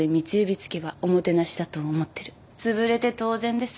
つぶれて当然です。